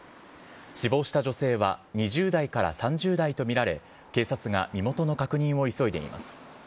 死亡した女性は、２０代から３０代と見られ、警察が身元の確認を急いでいます。